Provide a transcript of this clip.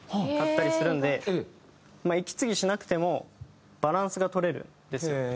あったりするんで息継ぎしなくてもバランスが取れるんですよ